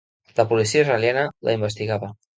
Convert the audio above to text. La policia israeliana la investigava.